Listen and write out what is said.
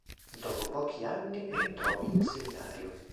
Dopo pochi anni entrò in seminario.